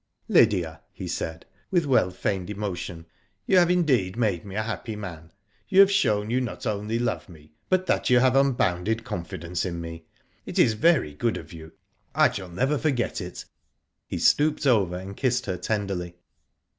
^* Lydia," he said, with well feigned emotion, "you have indeed made me a happy man. You have shown you not only love me, but that you have unbounded confidence in me. It is very good of you. I shall never forget it." He stooped over her and kissed her tenderly.